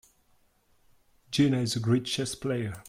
Gina is a great chess player.